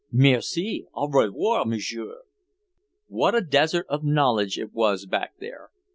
"Merci! Au revoir, monsieur!" What a desert of knowledge it was back there.